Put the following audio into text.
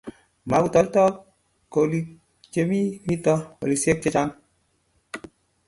Mukutoretoko koliik ye mito olisiek che chang'